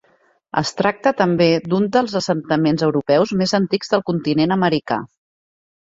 Es tracta també d'un dels assentaments europeus més antics del continent americà.